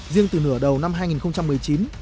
riêng từ nửa đầu năm hai nghìn một mươi chín